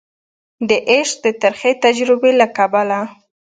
د عشق د ترخې تجربي له کبله